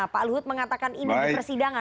pak luhut mengatakan ini untuk persidangan